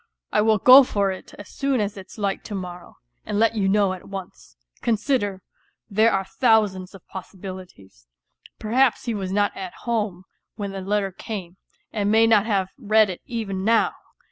I will go for it as soon as it's light to morrow and let you know at once. Consider, there are thousands of possibilities ; perhaps he was not at home when the letter came, and may not have read it even now